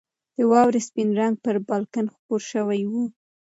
د واورې سپین رنګ پر بالکن خپور شوی و.